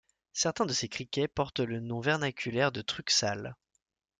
Certains de ces criquets portent le nom vernaculaire de truxales.